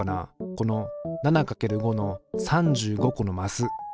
この７×５の３５個のマス。